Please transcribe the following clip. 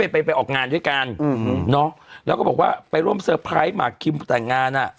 ไปไปออกงานด้วยกันแล้วก็บอกว่าไปร่วมเซอร์ไพรส์หมากคิมแต่งงานอ่ะ